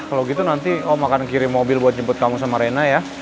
kalau gitu nanti om akan kirim mobil buat jemput kamu sama rena ya